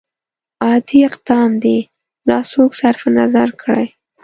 عادي اقدام دې لا څوک صرف نظر کړي.